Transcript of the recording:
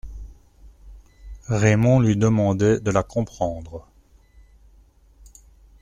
Raymond lui demandait de la comprendre.